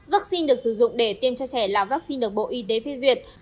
vaccine được sử dụng để tiêm cho trẻ là vaccine được bộ y tế phê duyệt